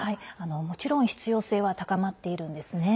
もちろん必要性は高まっているんですね。